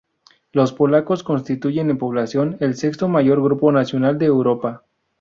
Los polacos constituyen en población el sexto mayor grupo nacional de Europa.